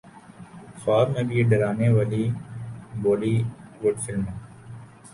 خواب میں بھی ڈرانے والی بولی وڈ فلمیں